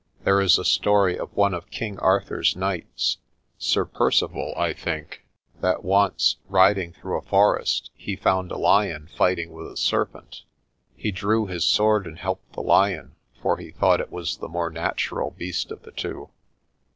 There is a story of one of King Arthur's knights Sir Percival, I think that once, riding through a forest, he found a lion fighting with a serpent. He drew his sword and helped the lion, for he thought it was the more natural beast of the two.